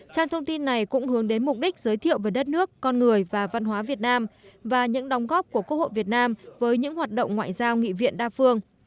trang thông tin này cũng hướng đến mục đích giới thiệu về đất nước con người và văn hóa việt nam và những đóng góp của quốc hội việt nam với những hoạt động ngoại giao nghị viện đa phương